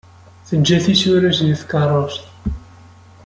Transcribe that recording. Teǧǧa tisura-s deg tkerrust.